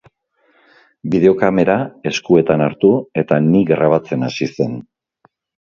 Bideokamera eskuetan hartu eta ni grabatzen hasi zen.